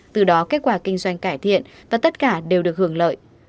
từ đó kết quả kinh doanh cải thiện và tất cả đều được hưởng lợi